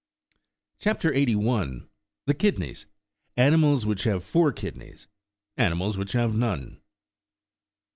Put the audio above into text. chap. 81. — the kidneys: animals which have four kid neys. ANIMALS WHICH HAVE NO^NE.